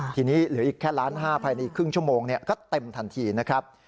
ทีนี้เหลืออีกแค่ล้านห้าภายในครึ่งชั่วโมงก็เต็มทันทีนะครับ